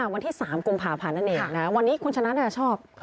วันที่๓กรุงภาพนั่นเองวันนี้คุณชนะชอบ